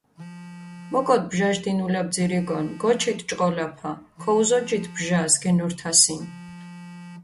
მოკოდ ბჟაშ დინულა ბძირიკონ, გოჩით ჭყოლაფა, ქოუზოჯით ბჟას, გენორთასინ.